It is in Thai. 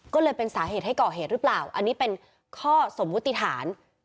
ก็เลยเป็นสาเหตุให้ก่อเหตุหรือเปล่าอันนี้เป็นข้อสมมุติฐาน